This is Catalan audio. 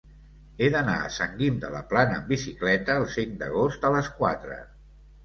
He d'anar a Sant Guim de la Plana amb bicicleta el cinc d'agost a les quatre.